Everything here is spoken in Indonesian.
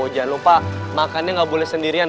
jangan lupa makannya nggak boleh sendirian